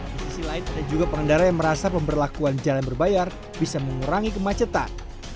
di sisi lain ada juga pengendara yang merasa pemberlakuan jalan berbayar bisa mengurangi kemacetan